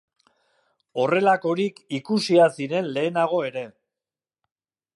Horrelakorik ikusiak ziren lehenago ere.